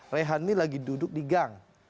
rehan ini lagi duduk di gang